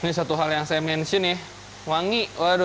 ini satu hal yang saya mention ya wangi waduh